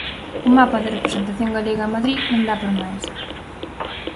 O mapa da representación galega en Madrid non dá para máis.